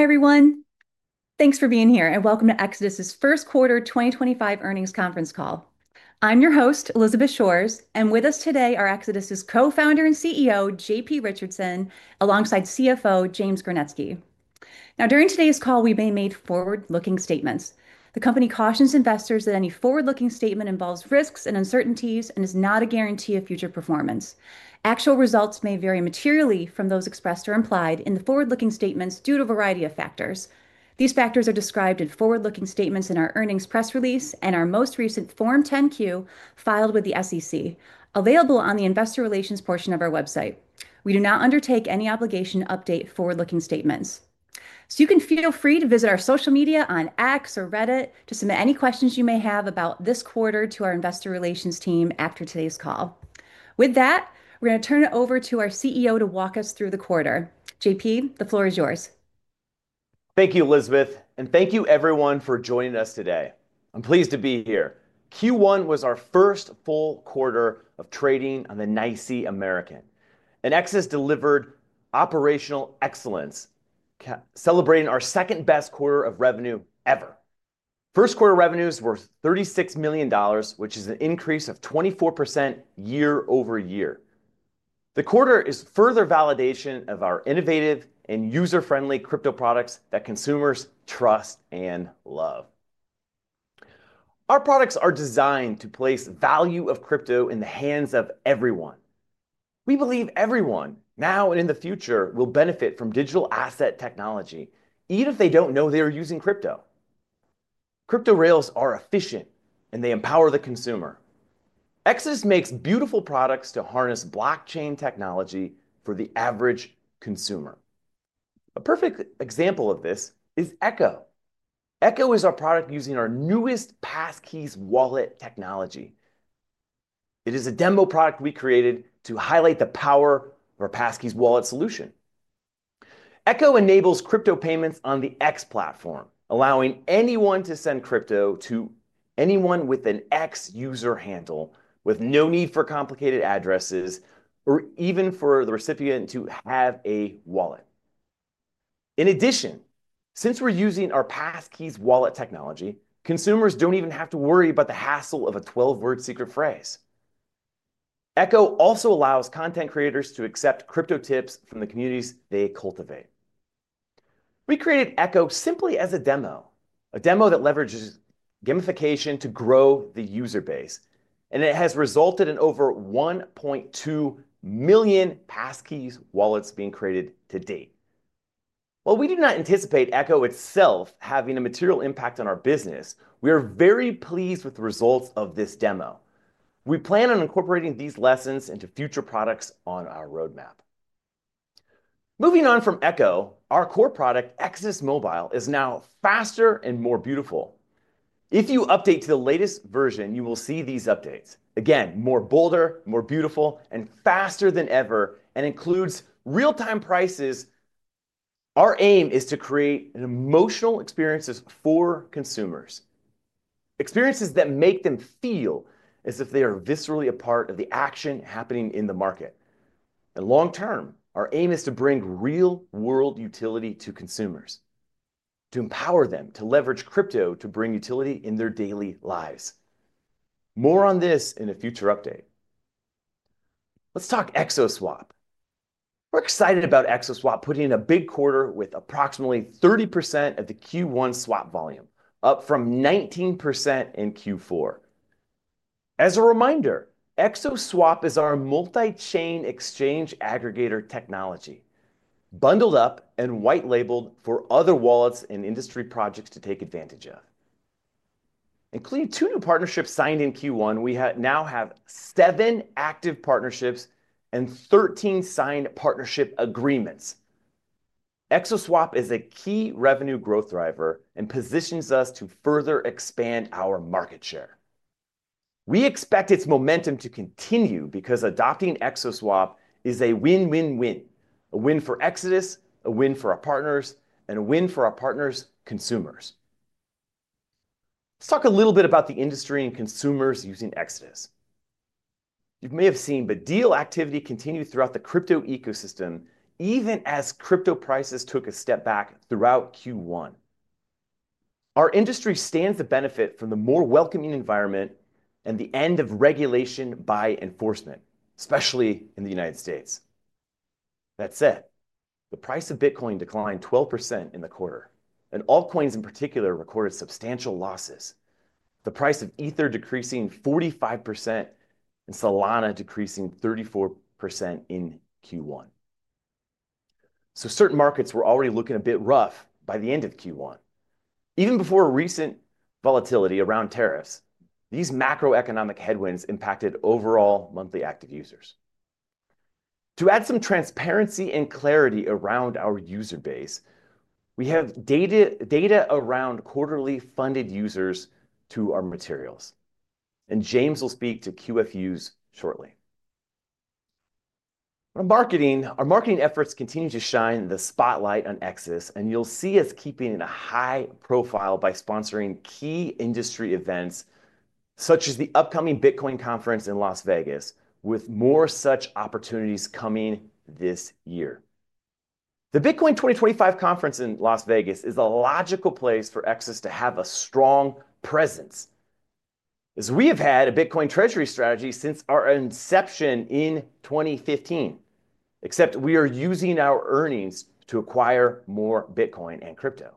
Hi, everyone. Thanks for being here, and welcome to Exodus' First Quarter 2025 Earnings Conference Call. I'm your host, Elizabeth Shores, and with us today are Exodus' Co-Founder and CEO, JP Richardson, alongside CFO, James Gernetzke. Now, during today's call, we may make forward-looking statements. The company cautions investors that any forward-looking statement involves risks and uncertainties and is not a guarantee of future performance. Actual results may vary materially from those expressed or implied in the forward-looking statements due to a variety of factors. These factors are described in forward-looking statements in our earnings press release and our most recent Form 10-Q filed with the SEC, available on the investor relations portion of our website. We do not undertake any obligation to update forward-looking statements. You can feel free to visit our social media on X or Reddit to submit any questions you may have about this quarter to our investor relations team after today's call. With that, we're going to turn it over to our CEO to walk us through the quarter. JP, the floor is yours. Thank you, Elizabeth, and thank you, everyone, for joining us today. I'm pleased to be here. Q1 was our first full quarter of trading on the NYSE American, and Exodus delivered operational excellence, celebrating our second-best quarter of revenue ever. First quarter revenues were $36 million, which is an increase of 24% year-over-year. The quarter is further validation of our innovative and user-friendly crypto products that consumers trust and love. Our products are designed to place the value of crypto in the hands of everyone. We believe everyone, now and in the future, will benefit from digital asset technology, even if they don't know they're using crypto. Crypto rails are efficient, and they empower the consumer. Exodus makes beautiful products to harness blockchain technology for the average consumer. A perfect example of this is Echo. Echo is our product using our newest Passkeys Wallet technology. It is a demo product we created to highlight the power of our Passkeys Wallet solution. Echo enables crypto payments on the X platform, allowing anyone to send crypto to anyone with an X user handle, with no need for complicated addresses or even for the recipient to have a wallet. In addition, since we're using our Passkeys Wallet technology, consumers do not even have to worry about the hassle of a 12-word secret phrase. Echo also allows content creators to accept crypto tips from the communities they cultivate. We created Echo simply as a demo, a demo that leverages gamification to grow the user base, and it has resulted in over 1.2 million Passkeys Wallets being created to date. While we do not anticipate Echo itself having a material impact on our business, we are very pleased with the results of this demo. We plan on incorporating these lessons into future products on our roadmap. Moving on from Echo, our core product, Exodus Mobile, is now faster and more beautiful. If you update to the latest version, you will see these updates. Again, more bolder, more beautiful, and faster than ever, and includes real-time prices. Our aim is to create emotional experiences for consumers, experiences that make them feel as if they are viscerally a part of the action happening in the market. Long-term, our aim is to bring real-world utility to consumers, to empower them to leverage crypto to bring utility in their daily lives. More on this in a future update. Let's talk ExoSwap. We're excited about ExoSwap putting in a big quarter with approximately 30% of the Q1 swap volume, up from 19% in Q4. As a reminder, ExoSwap is our multi-chain exchange aggregator technology, bundled up and white-labeled for other wallets and industry projects to take advantage of. Including two new partnerships signed in Q1, we now have seven active partnerships and 13 signed partnership agreements. ExoSwap is a key revenue growth driver and positions us to further expand our market share. We expect its momentum to continue because adopting ExoSwap is a win-win-win, a win for Exodus, a win for our partners, and a win for our partners' consumers. Let's talk a little bit about the industry and consumers using Exodus. You may have seen the deal activity continue throughout the crypto ecosystem, even as crypto prices took a step back throughout Q1. Our industry stands to benefit from the more welcoming environment and the end of regulation by enforcement, especially in the United States. That said, the price of Bitcoin declined 12% in the quarter, and altcoins in particular recorded substantial losses, the price of Ethereum decreasing 45% and Solana decreasing 34% in Q1. Certain markets were already looking a bit rough by the end of Q1. Even before recent volatility around tariffs, these macroeconomic headwinds impacted overall monthly active users. To add some transparency and clarity around our user base, we have data around quarterly funded users to our materials, and James will speak to QFUs shortly. Our marketing efforts continue to shine the spotlight on Exodus, and you'll see us keeping a high profile by sponsoring key industry events such as the upcoming Bitcoin Conference in Las Vegas, with more such opportunities coming this year. The Bitcoin 2025 Conference in Las Vegas is a logical place for Exodus to have a strong presence, as we have had a Bitcoin treasury strategy since our inception in 2015, except we are using our earnings to acquire more Bitcoin and crypto.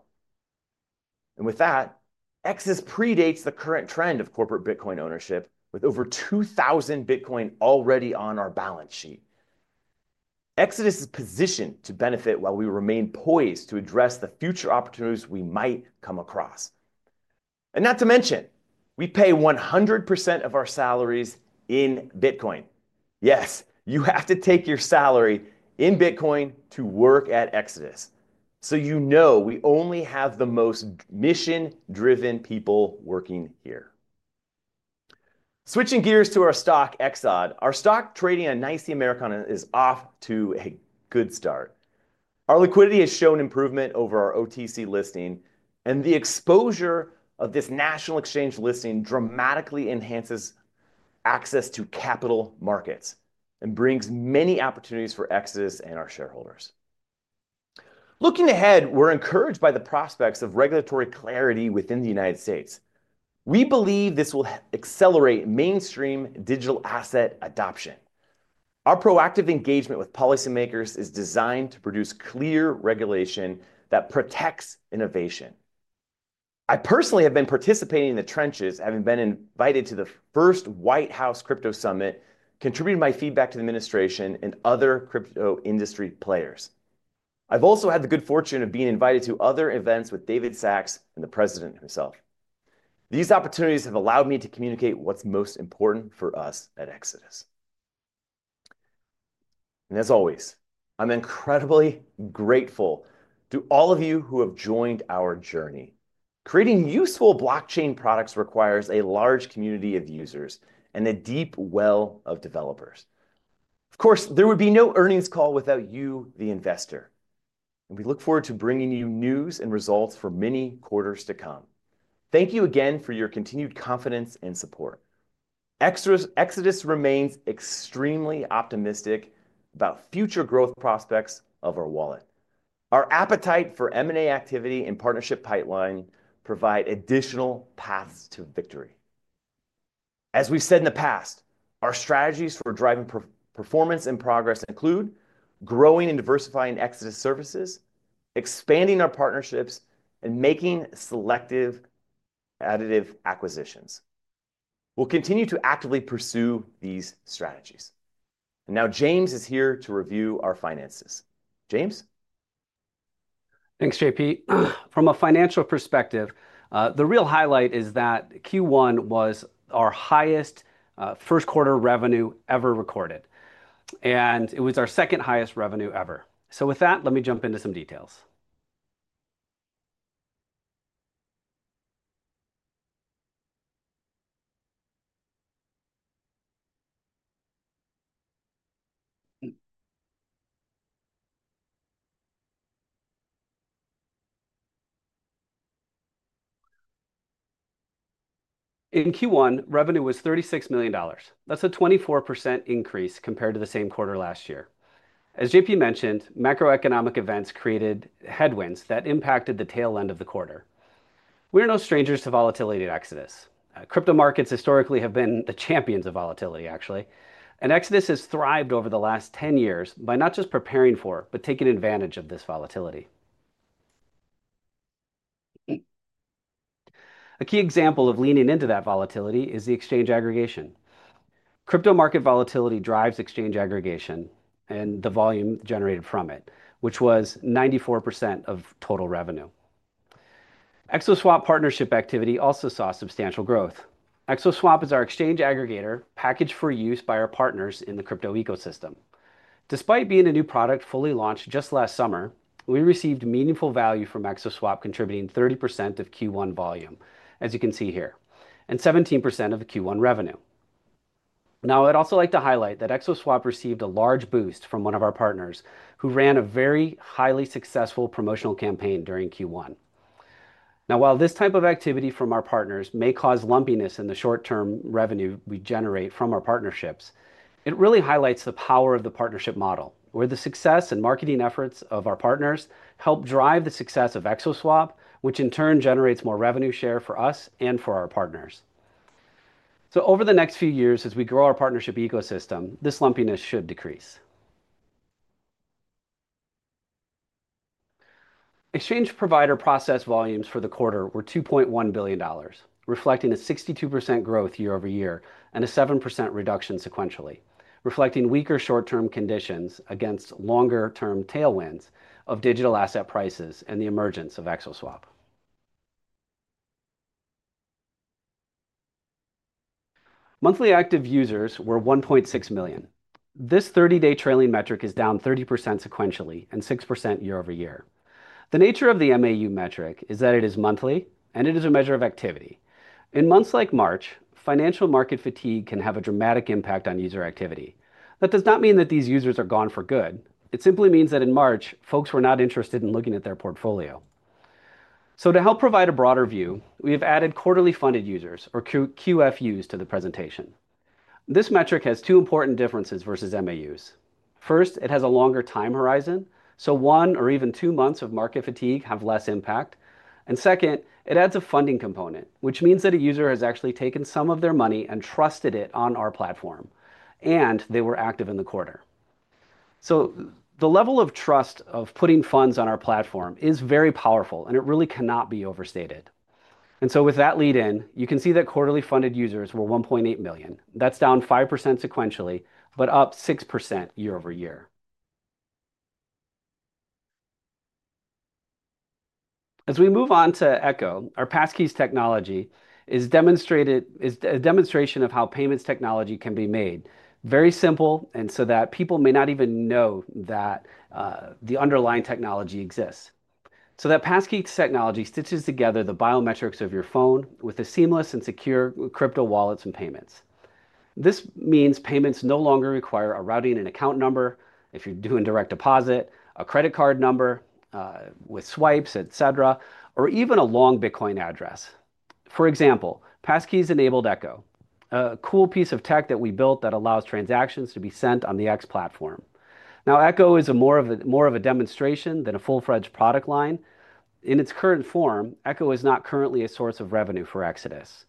Exodus predates the current trend of corporate Bitcoin ownership, with over 2,000 Bitcoin already on our balance sheet. Exodus is positioned to benefit while we remain poised to address the future opportunities we might come across. Not to mention, we pay 100% of our salaries in Bitcoin. Yes, you have to take your salary in Bitcoin to work at Exodus. You know we only have the most mission-driven people working here. Switching gears to our stock, EXOD, our stock trading on NYSE American is off to a good start. Our liquidity has shown improvement over our OTC listing, and the exposure of this national exchange listing dramatically enhances access to capital markets and brings many opportunities for Exodus and our shareholders. Looking ahead, we're encouraged by the prospects of regulatory clarity within the U.S. We believe this will accelerate mainstream digital asset adoption. Our proactive engagement with policymakers is designed to produce clear regulation that protects innovation. I personally have been participating in the trenches, having been invited to the first White House Crypto Summit, contributing my feedback to the administration and other crypto industry players. I've also had the good fortune of being invited to other events with David Sacks and the president himself. These opportunities have allowed me to communicate what's most important for us at Exodus. As always, I'm incredibly grateful to all of you who have joined our journey. Creating useful blockchain products requires a large community of users and a deep well of developers. Of course, there would be no earnings call without you, the investor, and we look forward to bringing you news and results for many quarters to come. Thank you again for your continued confidence and support. Exodus remains extremely optimistic about future growth prospects of our wallet. Our appetite for M&A activity and partnership pipeline provide additional paths to victory. As we've said in the past, our strategies for driving performance and progress include growing and diversifying Exodus services, expanding our partnerships, and making selective additive acquisitions. We will continue to actively pursue these strategies. Now James is here to review our finances. James? Thanks, JP. From a financial perspective, the real highlight is that Q1 was our highest first quarter revenue ever recorded, and it was our second highest revenue ever. With that, let me jump into some details. In Q1, revenue was $36 million. That's a 24% increase compared to the same quarter last year. As JP mentioned, macroeconomic events created headwinds that impacted the tail end of the quarter. We are no strangers to volatility at Exodus. Crypto markets historically have been the champions of volatility, actually, and Exodus has thrived over the last 10 years by not just preparing for it, but taking advantage of this volatility. A key example of leaning into that volatility is the exchange aggregation. Crypto market volatility drives exchange aggregation and the volume generated from it, which was 94% of total revenue. ExoSwap partnership activity also saw substantial growth. ExoSwap is our exchange aggregator packaged for use by our partners in the crypto ecosystem. Despite being a new product fully launched just last summer, we received meaningful value from ExoSwap contributing 30% of Q1 volume, as you can see here, and 17% of Q1 revenue. Now, I'd also like to highlight that ExoSwap received a large boost from one of our partners who ran a very highly successful promotional campaign during Q1. Now, while this type of activity from our partners may cause lumpiness in the short-term revenue we generate from our partnerships, it really highlights the power of the partnership model, where the success and marketing efforts of our partners help drive the success of ExoSwap, which in turn generates more revenue share for us and for our partners. Over the next few years, as we grow our partnership ecosystem, this lumpiness should decrease. Exchange provider process volumes for the quarter were $2.1 billion, reflecting a 62% growth year-over-year and a 7% reduction sequentially, reflecting weaker short-term conditions against longer-term tailwinds of digital asset prices and the emergence of ExoSwap. Monthly active users were 1.6 million. This 30-day trailing metric is down 30% sequentially and 6% year-over-year. The nature of the MAU metric is that it is monthly, and it is a measure of activity. In months like March, financial market fatigue can have a dramatic impact on user activity. That does not mean that these users are gone for good. It simply means that in March, folks were not interested in looking at their portfolio. To help provide a broader view, we have added quarterly funded users, or QFUs, to the presentation. This metric has two important differences versus MAUs. First, it has a longer time horizon, so one or even two months of market fatigue have less impact. Second, it adds a funding component, which means that a user has actually taken some of their money and trusted it on our platform, and they were active in the quarter. The level of trust of putting funds on our platform is very powerful, and it really cannot be overstated. With that lead-in, you can see that quarterly funded users were 1.8 million. That's down 5% sequentially, but up 6% year-over-year. As we move on to Echo, our Passkeys technology is a demonstration of how payments technology can be made very simple and that people may not even know that the underlying technology exists. That Passkeys technology stitches together the biometrics of your phone with a seamless and secure crypto wallet and payments. This means payments no longer require a routing and account number if you're doing direct deposit, a credit card number with swipes, etc., or even a long Bitcoin address. For example, passkeys enabled Echo, a cool piece of tech that we built that allows transactions to be sent on the X platform. Now, Echo is more of a demonstration than a full-fledged product line. In its current form, Echo is not currently a source of revenue for Exodus.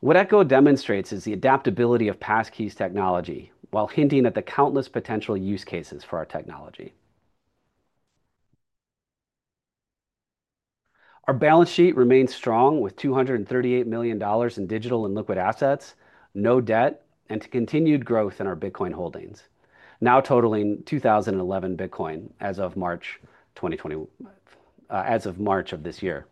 What Echo demonstrates is the adaptability of passkeys technology while hinting at the countless potential use cases for our technology. Our balance sheet remains strong with $238 million in digital and liquid assets, no debt, and continued growth in our Bitcoin holdings, now totaling 2,011 Bitcoin as of March of this year.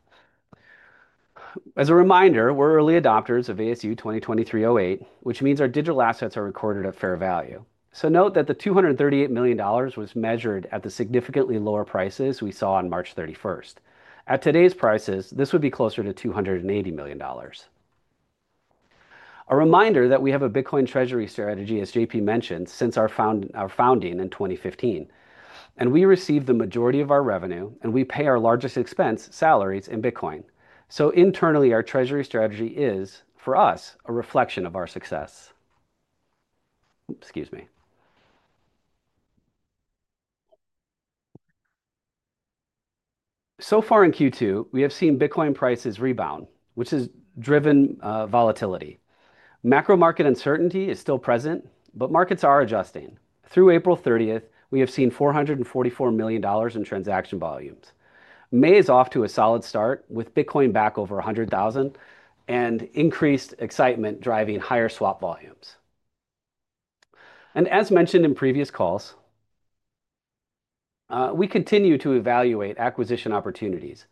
As a reminder, we're early adopters of ASU 2023-08, which means our digital assets are recorded at fair value. Note that the $238 million was measured at the significantly lower prices we saw on March 31st. At today's prices, this would be closer to $280 million. A reminder that we have a Bitcoin treasury strategy, as JP mentioned, since our founding in 2015, and we receive the majority of our revenue, and we pay our largest expense, salaries, in Bitcoin. Internally, our treasury strategy is, for us, a reflection of our success. Excuse me. So far in Q2, we have seen Bitcoin prices rebound, which has driven volatility. Macro market uncertainty is still present, but markets are adjusting. Through April 30, we have seen $444 million in transaction volumes. May is off to a solid start with Bitcoin back over $100,000 and increased excitement driving higher swap volumes. As mentioned in previous calls, we continue to evaluate acquisition opportunities.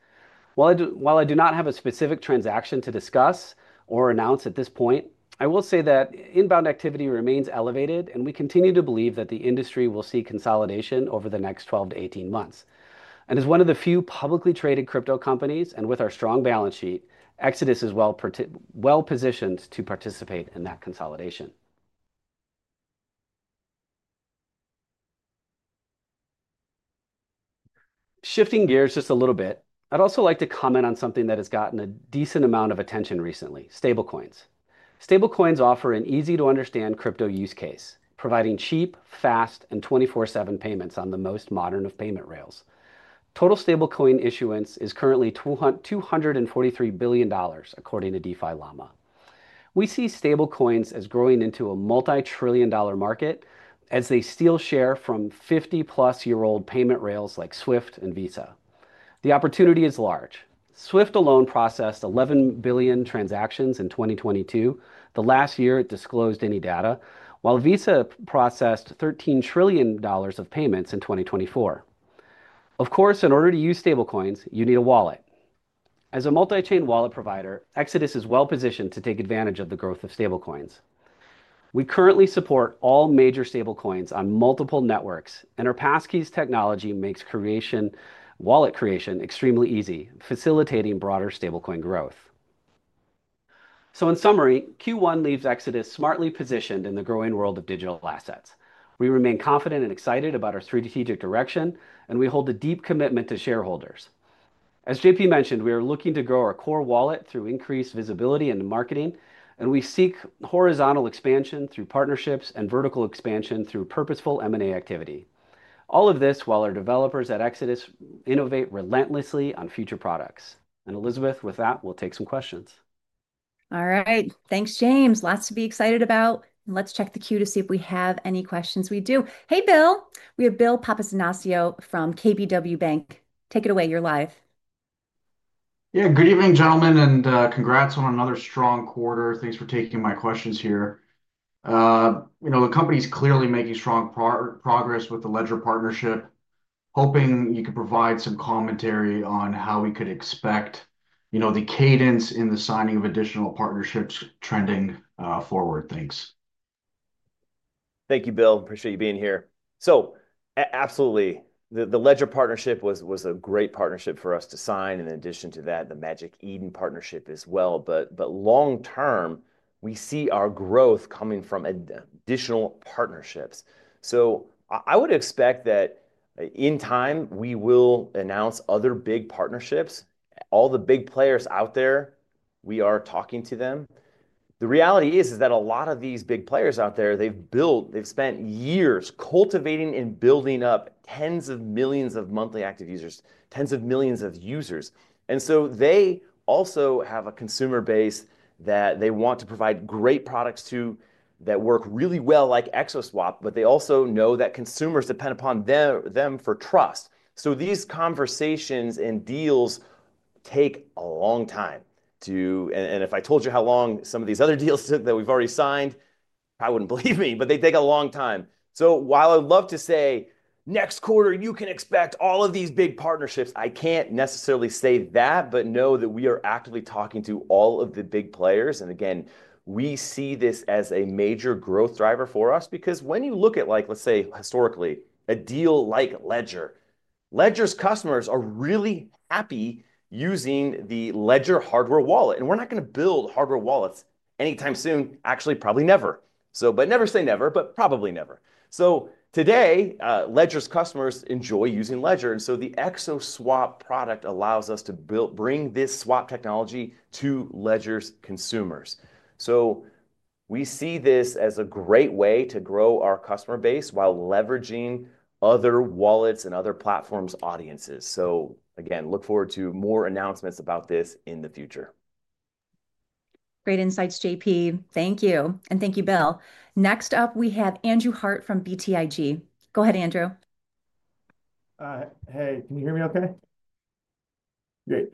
While I do not have a specific transaction to discuss or announce at this point, I will say that inbound activity remains elevated, and we continue to believe that the industry will see consolidation over the next 12-18 months. As one of the few publicly traded crypto companies and with our strong balance sheet, Exodus is well-positioned to participate in that consolidation. Shifting gears just a little bit, I'd also like to comment on something that has gotten a decent amount of attention recently: Stablecoins. Stablecoins offer an easy-to-understand crypto use case, providing cheap, fast, and 24/7 payments on the most modern of payment rails. Total Stablecoin issuance is currently $243 billion, according to DeFiLlama. We see Stablecoins as growing into a multi-trillion dollar market as they steal share from 50-plus-year-old payment rails like SWIFT and Visa. The opportunity is large. SWIFT alone processed 11 billion transactions in 2022, the last year it disclosed any data, while Visa processed $13 trillion of payments in 2024. Of course, in order to use Stablecoins, you need a wallet. As a multi-chain wallet provider, Exodus is well-positioned to take advantage of the growth of Stablecoins. We currently support all major Stablecoins on multiple networks, and our passkeys technology makes wallet creation extremely easy, facilitating broader Stablecoin growth. In summary, Q1 leaves Exodus smartly positioned in the growing world of digital assets. We remain confident and excited about our strategic direction, and we hold a deep commitment to shareholders. As JP mentioned, we are looking to grow our core wallet through increased visibility and marketing, and we seek horizontal expansion through partnerships and vertical expansion through purposeful M&A activity. All of this while our developers at Exodus innovate relentlessly on future products. Elizabeth, with that, we'll take some questions. All right. Thanks, James. Lots to be excited about. Let's check the queue to see if we have any questions. We do. Hey, Bill. We have Bill Papanastasiou from KBW. Take it away. You're live. Yeah. Good evening, gentlemen, and congrats on another strong quarter. Thanks for taking my questions here. The company's clearly making strong progress with the Ledger partnership. Hoping you could provide some commentary on how we could expect the cadence in the signing of additional partnerships trending forward. Thanks. Thank you, Bill. Appreciate you being here. Absolutely, the Ledger partnership was a great partnership for us to sign. In addition to that, the Magic Eden partnership as well. Long-term, we see our growth coming from additional partnerships. I would expect that in time, we will announce other big partnerships. All the big players out there, we are talking to them. The reality is that a lot of these big players out there, they have spent years cultivating and building up tens of millions of monthly active users, tens of millions of users. They also have a consumer base that they want to provide great products to that work really well, like ExoSwap, but they also know that consumers depend upon them for trust. These conversations and deals take a long time. If I told you how long some of these other deals took that we've already signed, I wouldn't believe me, but they take a long time. While I'd love to say, "Next quarter, you can expect all of these big partnerships," I can't necessarily say that, but know that we are actively talking to all of the big players. Again, we see this as a major growth driver for us because when you look at, let's say, historically, a deal like Ledger, Ledger's customers are really happy using the Ledger hardware wallet. We're not going to build hardware wallets anytime soon. Actually, probably never. Never say never, but probably never. Today, Ledger's customers enjoy using Ledger. The ExoSwap product allows us to bring this swap technology to Ledger's consumers. We see this as a great way to grow our customer base while leveraging other wallets and other platforms' audiences. Again, look forward to more announcements about this in the future. Great insights, JP Thank you. Thank you, Bill. Next up, we have Andrew Harte from BTIG. Go ahead, Andrew. Hey, can you hear me okay? Great.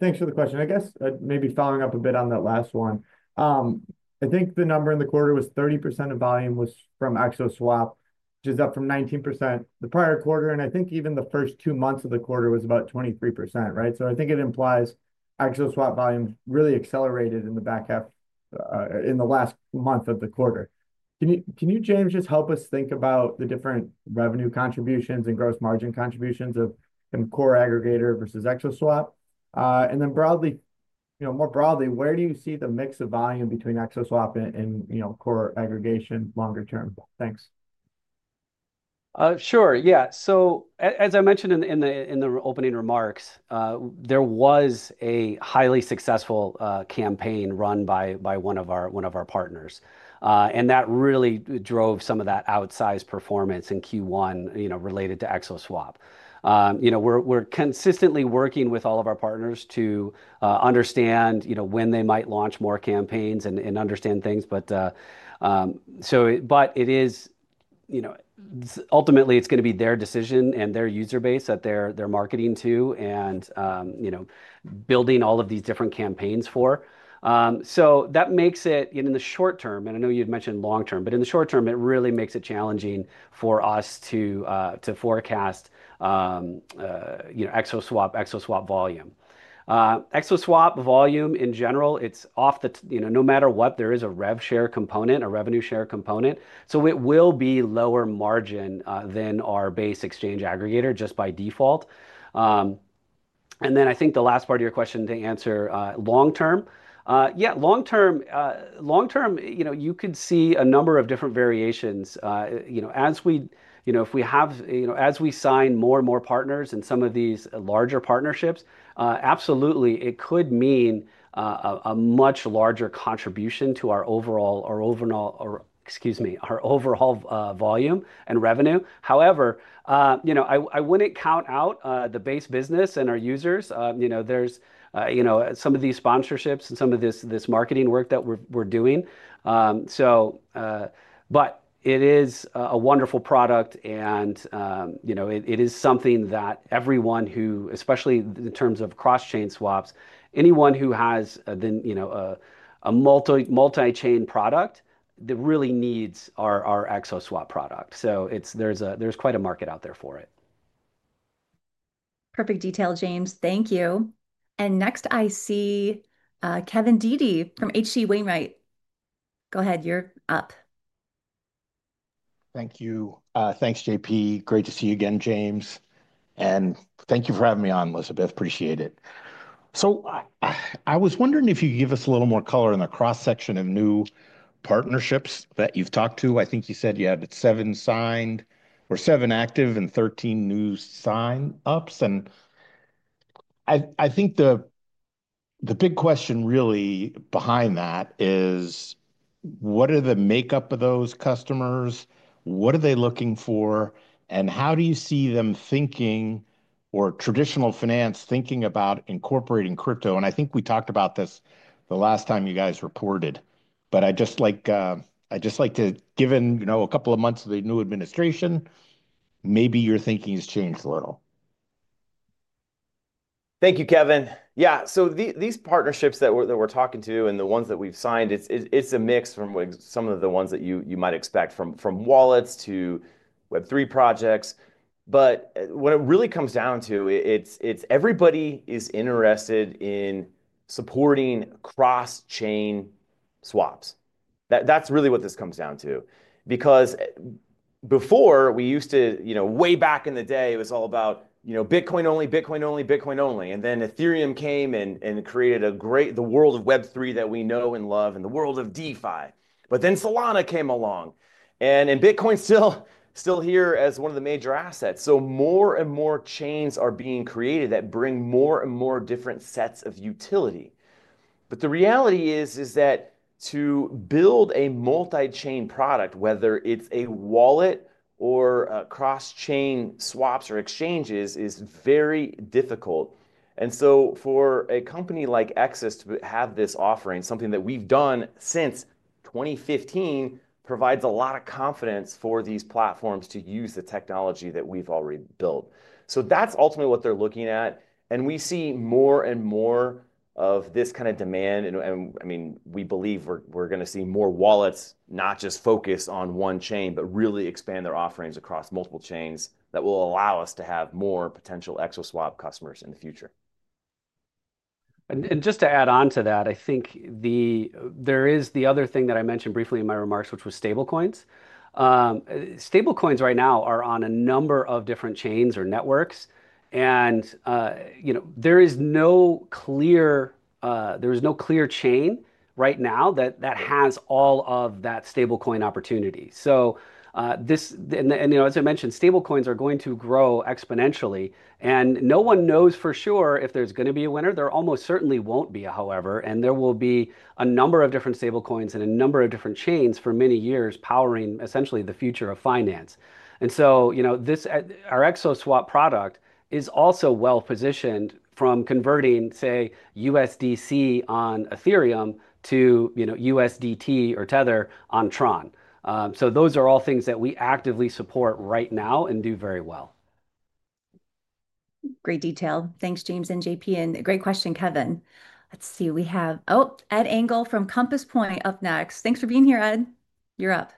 Thanks for the question. I guess maybe following up a bit on that last one. I think the number in the quarter was 30% of volume was from ExoSwap, which is up from 19% the prior quarter. I think even the first two months of the quarter was about 23%, right? I think it implies ExoSwap volume really accelerated in the back half in the last month of the quarter. Can you, James, just help us think about the different revenue contributions and gross margin contributions of core aggregator versus ExoSwap? More broadly, where do you see the mix of volume between ExoSwap and core aggregation longer term? Thanks. Sure. Yeah. As I mentioned in the opening remarks, there was a highly successful campaign run by one of our partners. That really drove some of that outsized performance in Q1 related to ExoSwap. We're consistently working with all of our partners to understand when they might launch more campaigns and understand things. It is ultimately going to be their decision and their user base that they're marketing to and building all of these different campaigns for. That makes it, in the short term, and I know you'd mentioned long term, but in the short term, it really makes it challenging for us to forecast ExoSwap volume. ExoSwap volume, in general, it's off the, no matter what, there is a rev share component, a revenue share component. It will be lower margin than our base exchange aggregator just by default. I think the last part of your question to answer, long term, yeah, long term, you could see a number of different variations. If we have, as we sign more and more partners in some of these larger partnerships, absolutely, it could mean a much larger contribution to our overall, excuse me, our overall volume and revenue. However, I would not count out the base business and our users. There is some of these sponsorships and some of this marketing work that we are doing. It is a wonderful product, and it is something that everyone who, especially in terms of cross-chain swaps, anyone who has a multi-chain product, that really needs our ExoSwap product. There is quite a market out there for it. Perfect detail, James. Thank you. Next, I see Kevin Dede from H.C. Wainwright. Go ahead. You're up. Thank you. Thanks, JP Great to see you again, James. Thank you for having me on, Elizabeth. Appreciate it. I was wondering if you could give us a little more color in the cross-section of new partnerships that you've talked to. I think you said you had seven signed or seven active and 13 new sign-ups. I think the big question really behind that is, what are the makeup of those customers? What are they looking for? How do you see them thinking or traditional finance thinking about incorporating crypto? I think we talked about this the last time you guys reported, but I just like to, given a couple of months of the new administration, maybe your thinking has changed a little. Thank you, Kevin. Yeah. So these partnerships that we're talking to and the ones that we've signed, it's a mix from some of the ones that you might expect from wallets to Web3 projects. But what it really comes down to, it's everybody is interested in supporting cross-chain swaps. That's really what this comes down to. Because before, we used to, way back in the day, it was all about Bitcoin only, Bitcoin only, Bitcoin only. And then Ethereum came and created the world of Web3 that we know and love and the world of DeFi. But then Solana came along. And Bitcoin's still here as one of the major assets. So more and more chains are being created that bring more and more different sets of utility. But the reality is that to build a multi-chain product, whether it's a wallet or cross-chain swaps or exchanges, is very difficult. For a company like Exodus to have this offering, something that we've done since 2015, provides a lot of confidence for these platforms to use the technology that we've already built. That is ultimately what they're looking at. We see more and more of this kind of demand. I mean, we believe we're going to see more wallets not just focus on one chain, but really expand their offerings across multiple chains that will allow us to have more potential ExoSwap customers in the future. Just to add on to that, I think there is the other thing that I mentioned briefly in my remarks, which was Stablecoins. Stablecoins right now are on a number of different chains or networks. There is no clear chain right now that has all of that Stablecoin opportunity. As I mentioned, Stablecoins are going to grow exponentially. No one knows for sure if there is going to be a winner. There almost certainly will not be a, however. There will be a number of different Stablecoins and a number of different chains for many years powering essentially the future of finance. Our ExoSwap product is also well-positioned from converting, say, USDC on Ethereum to USDT or Tether on Tron. Those are all things that we actively support right now and do very well. Great detail. Thanks, James and JP Great question, Kevin. Let's see. We have Ed Engel from Compass Point up next. Thanks for being here, Ed. You're up.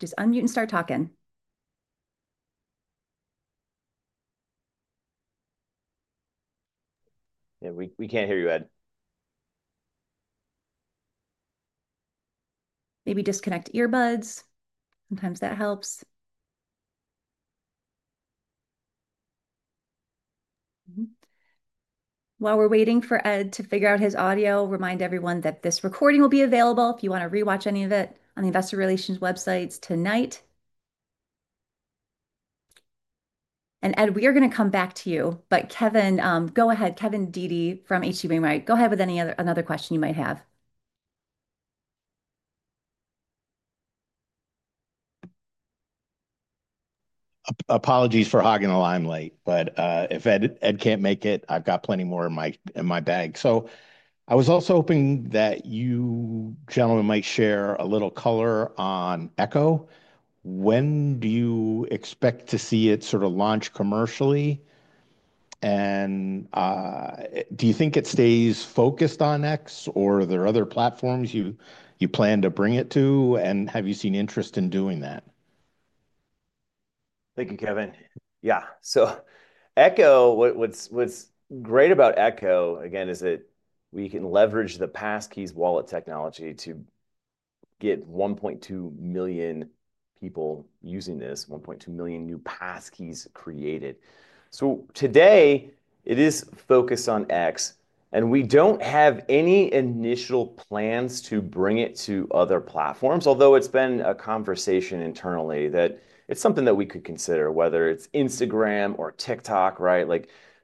Just unmute and start talking. Yeah. We can't hear you, Ed. Maybe disconnect earbuds. Sometimes that helps. While we're waiting for Ed to figure out his audio, remind everyone that this recording will be available if you want to rewatch any of it on the investor relations websites tonight. Ed, we are going to come back to you. Kevin, go ahead. Kevin Dede from H.C. Wainwright. Go ahead with another question you might have. Apologies for hogging the line late. If Ed cannot make it, I have got plenty more in my bag. I was also hoping that you gentlemen might share a little color on Echo. When do you expect to see it sort of launch commercially? Do you think it stays focused on X, or are there other platforms you plan to bring it to? Have you seen interest in doing that? Thank you, Kevin. Yeah. So Echo, what's great about Echo, again, is that we can leverage the Passkeys Wallet technology to get 1.2 million people using this, 1.2 million new passkeys created. Today, it is focused on X. We do not have any initial plans to bring it to other platforms, although it has been a conversation internally that it is something that we could consider, whether it is Instagram or TikTok, right?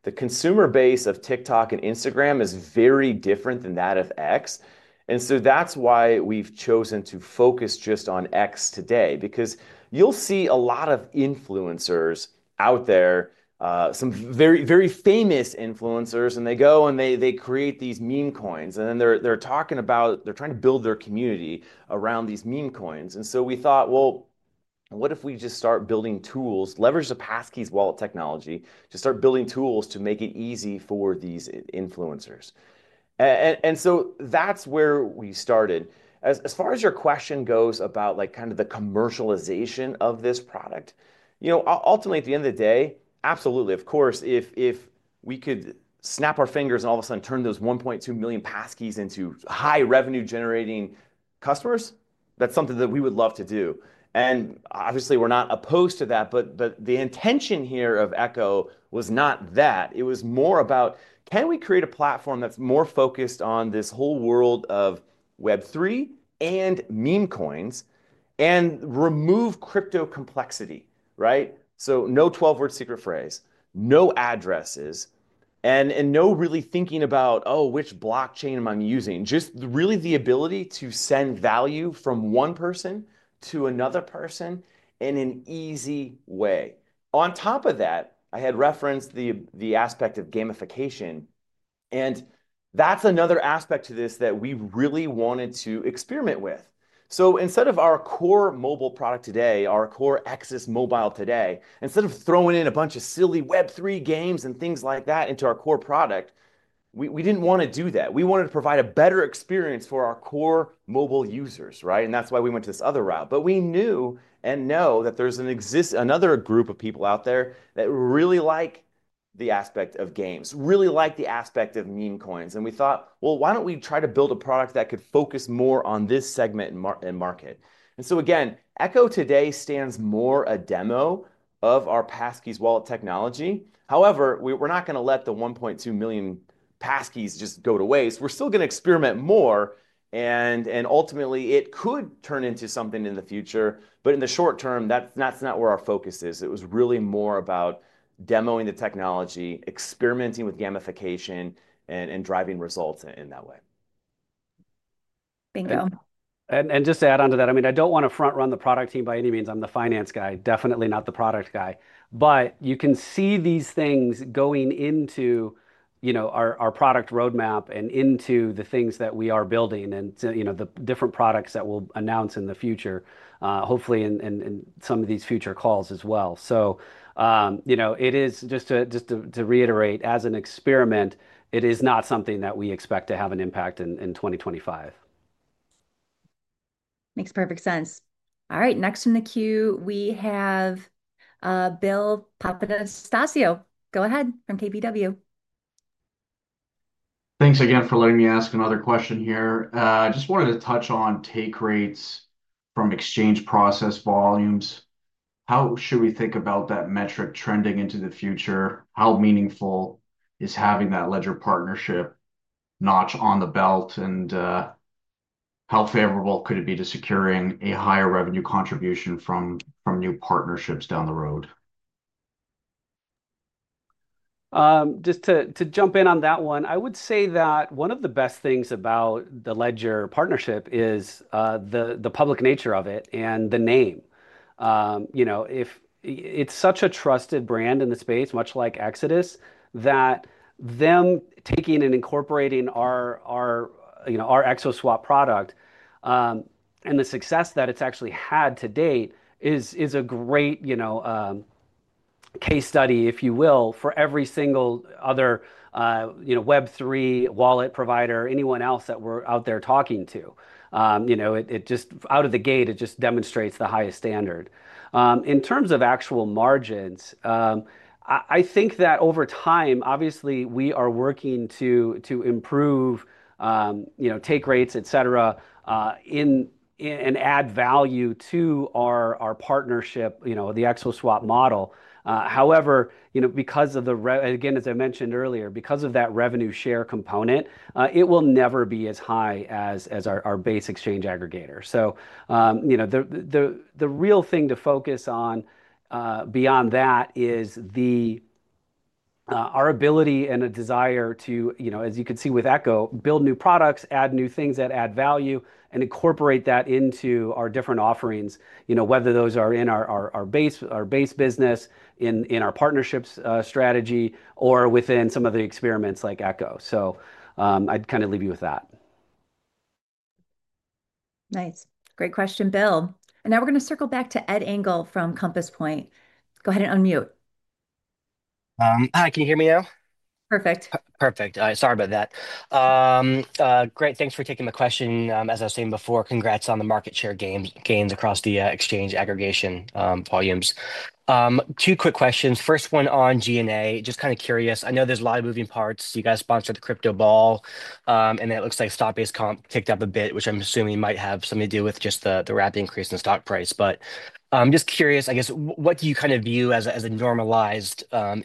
The consumer base of TikTok and Instagram is very different than that of X. That is why we have chosen to focus just on X today, because you will see a lot of influencers out there, some very famous influencers, and they go and they create these meme coins. They are talking about, they are trying to build their community around these meme coins. We thought, what if we just start building tools, leverage the Passkeys Wallet technology, to start building tools to make it easy for these influencers? That is where we started. As far as your question goes about kind of the commercialization of this product, ultimately, at the end of the day, absolutely, of course, if we could snap our fingers and all of a sudden turn those 1.2 million passkeys into high revenue-generating customers, that is something that we would love to do. Obviously, we are not opposed to that. The intention here of Echo was not that. It was more about, can we create a platform that is more focused on this whole world of Web3 and meme coins and remove crypto complexity, right? No 12-word secret phrase, no addresses, and no really thinking about, oh, which blockchain am I using? Just really the ability to send value from one person to another person in an easy way. On top of that, I had referenced the aspect of gamification. That is another aspect to this that we really wanted to experiment with. Instead of our core mobile product today, our core Exodus Mobile today, instead of throwing in a bunch of silly Web3 games and things like that into our core product, we did not want to do that. We wanted to provide a better experience for our core mobile users, right? That is why we went to this other route. We knew and know that there is another group of people out there that really like the aspect of games, really like the aspect of meme coins. We thought, why do we not try to build a product that could focus more on this segment and market? Echo today stands more a demo of our Passkeys Wallet technology. However, we're not going to let the 1.2 million passkeys just go to waste. We're still going to experiment more. Ultimately, it could turn into something in the future. In the short term, that's not where our focus is. It was really more about demoing the technology, experimenting with gamification, and driving results in that way. Bingo. Just to add on to that, I mean, I do not want to front-run the product team by any means. I am the finance guy, definitely not the product guy. You can see these things going into our product roadmap and into the things that we are building and the different products that we will announce in the future, hopefully in some of these future calls as well. Just to reiterate, as an experiment, it is not something that we expect to have an impact in 2025. Makes perfect sense. All right. Next in the queue, we have Bill Papanastasiou. Go ahead from KBW. Thanks again for letting me ask another question here. I just wanted to touch on take rates from exchange process volumes. How should we think about that metric trending into the future? How meaningful is having that Ledger partnership notch on the belt? How favorable could it be to securing a higher revenue contribution from new partnerships down the road? Just to jump in on that one, I would say that one of the best things about the Ledger partnership is the public nature of it and the name. It's such a trusted brand in the space, much like Exodus, that them taking and incorporating our ExoSwap product and the success that it's actually had to date is a great case study, if you will, for every single other Web3 wallet provider, anyone else that we're out there talking to. Out of the gate, it just demonstrates the highest standard. In terms of actual margins, I think that over time, obviously, we are working to improve take rates, et cetera, and add value to our partnership, the ExoSwap model. However, again, as I mentioned earlier, because of that revenue share component, it will never be as high as our base exchange aggregator. The real thing to focus on beyond that is our ability and a desire to, as you can see with Echo, build new products, add new things that add value, and incorporate that into our different offerings, whether those are in our base business, in our partnerships strategy, or within some of the experiments like Echo. I'd kind of leave you with that. Nice. Great question, Bill. Now we're going to circle back to Ed Engel from Compass Point. Go ahead and unmute. Hi. Can you hear me now? Perfect. Perfect. Sorry about that. Great. Thanks for taking my question. As I was saying before, congrats on the market share gains across the exchange aggregation volumes. Two quick questions. First one on G&A. Just kind of curious. I know there's a lot of moving parts. You guys sponsored the crypto ball. And it looks like stock-based comp ticked up a bit, which I'm assuming might have something to do with just the rapid increase in stock price. But I'm just curious, I guess, what do you kind of view as a normalized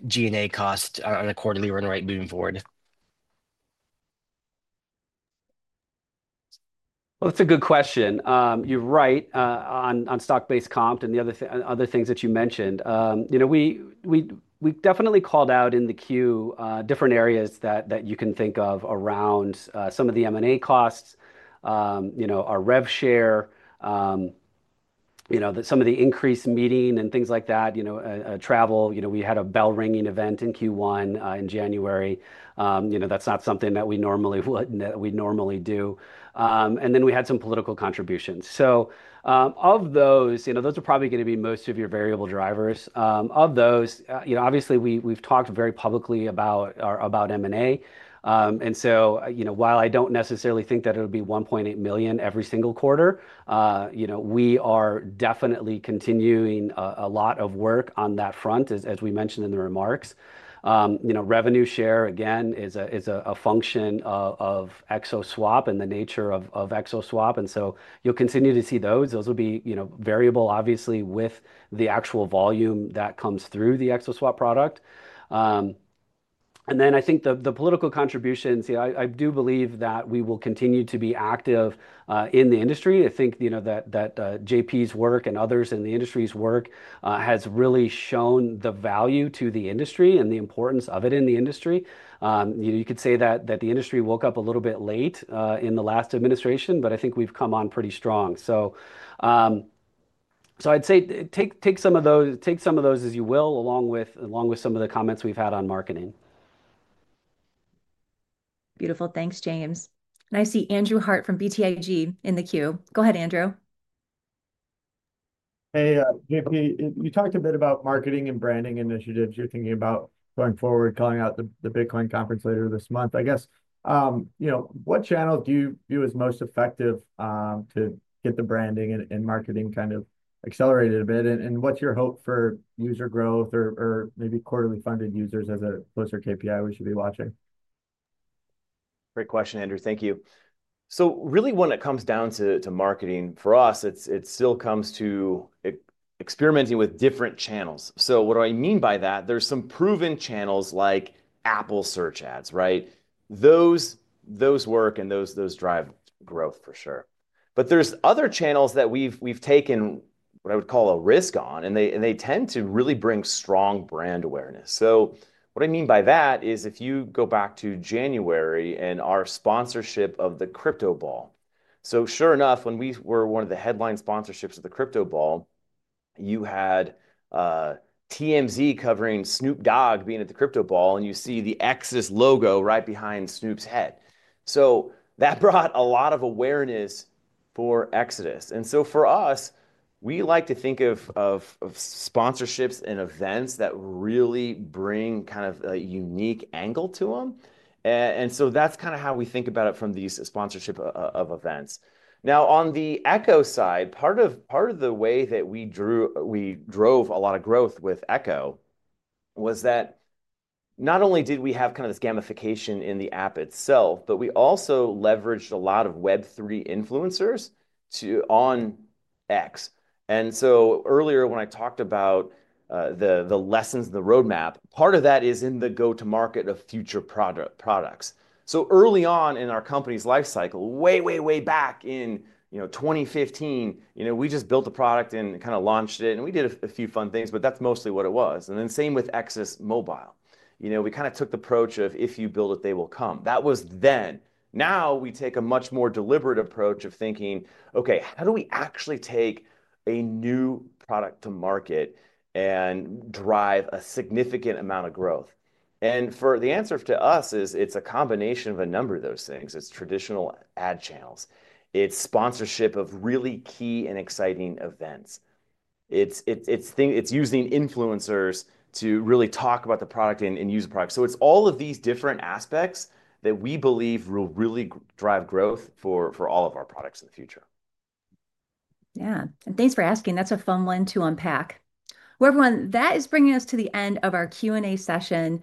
G&A cost on a quarterly run rate moving forward? That's a good question. You're right on stock-based comp and the other things that you mentioned. We definitely called out in the queue different areas that you can think of around some of the M&A costs, our rev share, some of the increased meeting and things like that, travel. We had a bell ringing event in Q1 in January. That's not something that we normally do. We had some political contributions. Of those, those are probably going to be most of your variable drivers. Of those, obviously, we've talked very publicly about M&A. While I don't necessarily think that it would be $1.8 million every single quarter, we are definitely continuing a lot of work on that front, as we mentioned in the remarks. Revenue share, again, is a function of ExoSwap and the nature of ExoSwap. You'll continue to see those. Those will be variable, obviously, with the actual volume that comes through the ExoSwap product. I think the political contributions, I do believe that we will continue to be active in the industry. I think that JP's work and others in the industry's work has really shown the value to the industry and the importance of it in the industry. You could say that the industry woke up a little bit late in the last administration, but I think we've come on pretty strong. I'd say take some of those as you will, along with some of the comments we've had on marketing. Beautiful. Thanks, James. I see Andrew Harte from BTIG in the queue. Go ahead, Andrew. Hey, JP, you talked a bit about marketing and branding initiatives you're thinking about going forward, calling out the Bitcoin conference later this month. I guess, what channels do you view as most effective to get the branding and marketing kind of accelerated a bit? What is your hope for user growth or maybe quarterly funded users as a closer KPI we should be watching? Great question, Andrew. Thank you. So really, when it comes down to marketing for us, it still comes to experimenting with different channels. What do I mean by that? There are some proven channels like Apple search ads, right? Those work and those drive growth for sure. There are other channels that we've taken what I would call a risk on, and they tend to really bring strong brand awareness. What I mean by that is if you go back to January and our sponsorship of the crypto ball. Sure enough, when we were one of the headline sponsorships of the crypto ball, you had TMZ covering Snoop Dogg being at the crypto ball, and you see the Exodus logo right behind Snoop's head. That brought a lot of awareness for Exodus. For us, we like to think of sponsorships and events that really bring kind of a unique angle to them. That is kind of how we think about it from these sponsorship events. On the Echo side, part of the way that we drove a lot of growth with Echo was that not only did we have kind of this gamification in the app itself, but we also leveraged a lot of Web3 influencers on X. Earlier, when I talked about the lessons and the roadmap, part of that is in the go-to-market of future products. Early on in our company's lifecycle, way, way, way back in 2015, we just built a product and kind of launched it. We did a few fun things, but that is mostly what it was. Same with Exodus Mobile. We kind of took the approach of, if you build it, they will come. That was then. Now we take a much more deliberate approach of thinking, okay, how do we actually take a new product to market and drive a significant amount of growth? For the answer to us, it's a combination of a number of those things. It's traditional ad channels. It's sponsorship of really key and exciting events. It's using influencers to really talk about the product and use the product. It's all of these different aspects that we believe will really drive growth for all of our products in the future. Yeah. Thanks for asking. That's a fun one to unpack. Everyone, that is bringing us to the end of our Q&A session.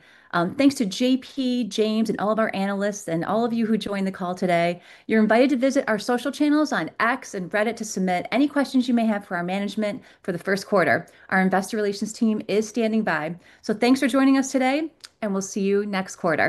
Thanks to JP, James, and all of our analysts and all of you who joined the call today. You're invited to visit our social channels on X and Reddit to submit any questions you may have for our management for the first quarter. Our investor relations team is standing by. Thanks for joining us today, and we'll see you next quarter.